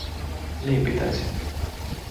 Niin pitäisi.